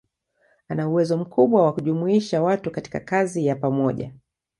Ana uwezo mkubwa wa kujumuisha watu katika kazi ya pamoja.